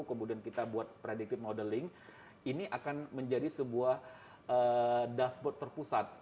kemudian kita buat predictive modeling ini akan menjadi sebuah dashboard terpusat